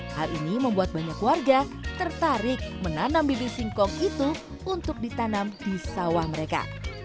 hal ini membuat banyak warga tertarik menanam bibir singkong itu untuk ditanam di sawah mereka